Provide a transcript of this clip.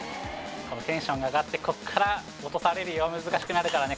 テンションが上がってこっから落とされるよ難しくなるからね